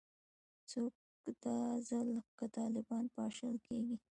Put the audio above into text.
خو که دا ځل که طالبان پاشل کیږي